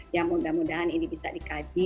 ya mudah mudahan ini bisa dikaji